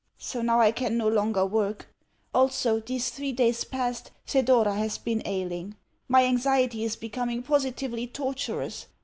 So now I can no longer work. Also, these three days past, Thedora has been ailing. My anxiety is becoming positively torturous.